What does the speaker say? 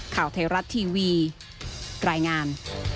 ข่าวไทยรัฐทีวีรายงาน